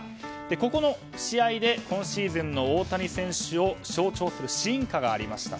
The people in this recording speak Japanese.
ここの試合で今シーズンの大谷選手を象徴する進化がありました。